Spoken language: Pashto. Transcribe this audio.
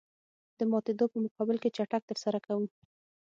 د ماتېدو په مقابل کې چک ترسره کوو